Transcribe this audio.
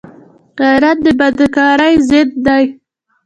غیرت د بدکارۍ ضد دی